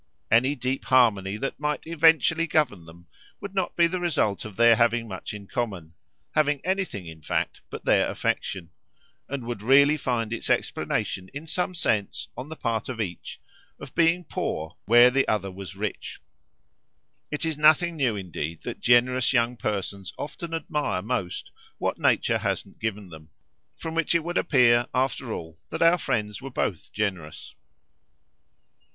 Any deep harmony that might eventually govern them would not be the result of their having much in common having anything in fact but their affection; and would really find its explanation in some sense, on the part of each, of being poor where the other was rich. It is nothing new indeed that generous young persons often admire most what nature hasn't given them from which it would appear, after all, that our friends were both generous.